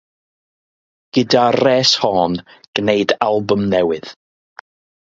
Gyda'r rhes hon, gwnaed albwm newydd.